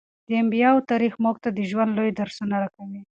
د انبیاوو تاریخ موږ ته د ژوند لوی درسونه راکوي.